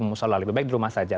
musola lebih baik di rumah saja